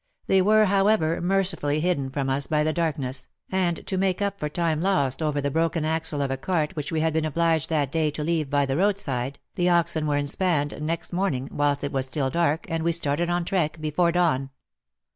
They were, however, mercifully hidden from us by the darkness, and to make up for time lost over the broken axle of a cart which we had been obliged that day to leave by the roadside, the oxen were inspanned next morning whilst it was still dark, and we started on trek before dawn.